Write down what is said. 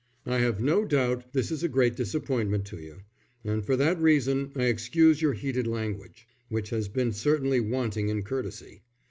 I have no doubt this is a great disappointment to you, and for that reason I excuse your heated language, which has been certainly wanting in courtesy.